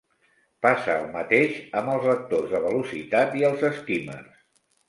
Passa el mateix amb els lectors de velocitat i els skimmers.